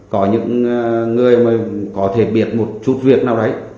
có những người mà có thể biết một chút việc nào đấy